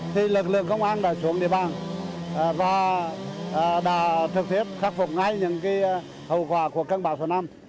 thì lực lượng công an đã xuống địa bàn và đã trực tiếp khắc phục ngay những hậu quả của cơn bão số năm